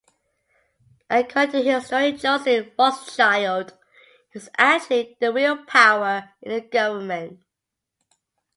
According to historian Joseph Rothschild, he was actually the real power in the government.